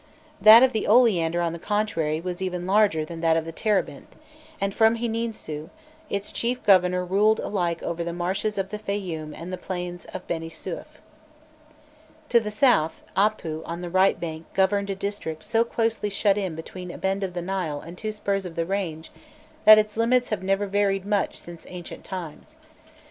[*] That of the Oleander, on the contrary, was even larger than that of the Terebinth, and from Hininsû, its chief governor ruled alike over the marshes of the Fayûm and the plains of Beni Suef.[] To the south, Apû on the right bank governed a district so closely shut in between a bend of the Nile and two spurs of the range, that its limits have never varied much since ancient times.